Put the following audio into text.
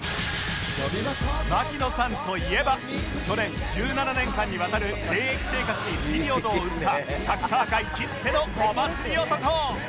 槙野さんといえば去年１７年間にわたる現役生活にピリオドを打ったサッカー界きってのお祭り男